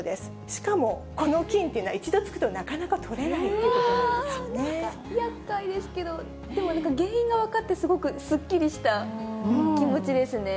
しかもこの菌というのは、一度つくとなかなか取れないっていうこやっかいですけど、でもなんか、原因が分かってすごくすっきりした気持ちですね。